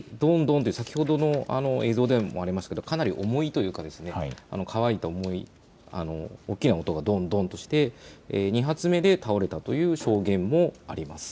２回、どんどんと先ほどの映像でもありましたけれどかなり重いというか乾いた重い大きな音が、どんどんとして２発目で倒れたという証言もあります。